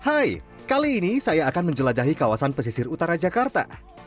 hai kali ini saya akan menjelajahi kawasan pesisir utara jakarta